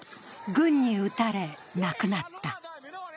軍に撃たれ、亡くなった。